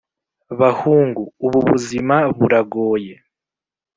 bahungu, ubu buzima buragoye